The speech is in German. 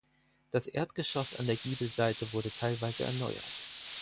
Das Erdgeschoss an der Giebelseite wurde teilweise erneuert.